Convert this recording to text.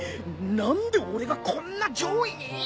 何で俺がこんな上位に！？